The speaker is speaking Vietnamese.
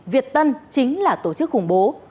việt tân chính là tổ chức khủng bố